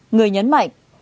người nhấn mạnh